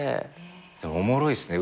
でもおもろいっすね。